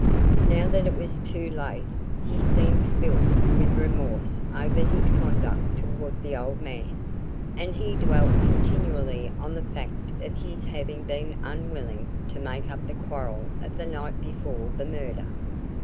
Now that it was too late, he seemed filled with remorse over his conduct toward the old man, and he dwelt continually on the fact of his having been unwilling to make up the quarrel of the night before the murder.